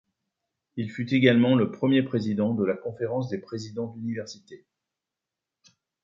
Il fut également le Premier Président de la Conférence des Présidents d'Universités.